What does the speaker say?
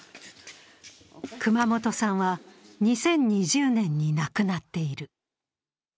熊本さんは２０２０年に亡くなっている。